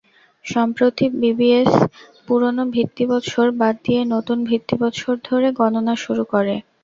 সম্প্রতি বিবিএস পুরোনো ভিত্তিবছর বাদ দিয়ে নতুন ভিত্তিবছর ধরে গণনা শুরু করে।